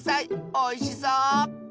おいしそう！